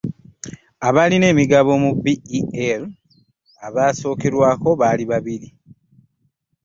Abalina emigabo mu BEL abasookerwako bali babiri.